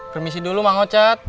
permisi dulu mang ocad